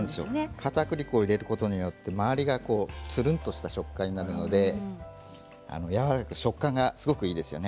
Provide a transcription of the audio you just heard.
かたくり粉を入れることで周りがつるんとした食感になるので食感がすごくいいですよね。